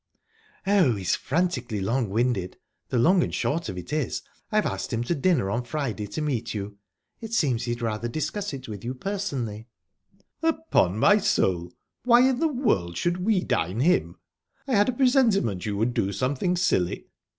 "Oh, he's frantically long winded. The long and short of it is, I've asked him to dinner on Friday, to meet you. It seems he'd rather discuss it with you personally." "Upon my soul! Why in the world should we dine him?...I had a presentiment you would do something silly."